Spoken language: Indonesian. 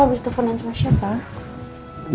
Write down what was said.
kau abis teleponin sama siapa